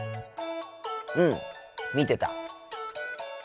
うん見てた。